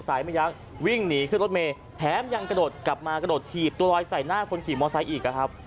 ไม่ยั้งวิ่งหนีขึ้นรถเมย์แถมยังกระโดดกลับมากระโดดถีบตัวลอยใส่หน้าคนขี่มอไซค์อีกนะครับ